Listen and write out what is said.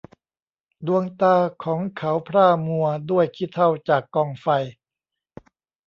ดวงตาของเขาพร่ามัวด้วยขี้เถ้าจากกองไฟ